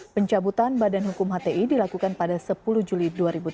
pencabutan badan hukum hti dilakukan pada sepuluh juli dua ribu tujuh belas